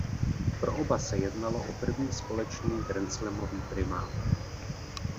Pro oba se jednalo o první společný grandslamový primát.